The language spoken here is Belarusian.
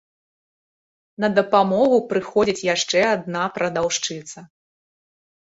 На дапамогу прыходзіць яшчэ адна прадаўшчыца.